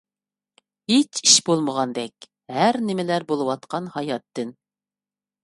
ھېچ ئىش بولمىغاندەك ھەر نىمىلەر بولىۋاتقان ھاياتتىن.